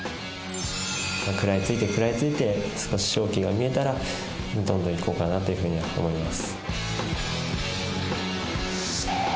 食らいついて、食らいついて少し勝機が見えたらどんどんいこうかなと思います。